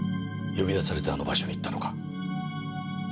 呼び出されてあの場所に行ったのか？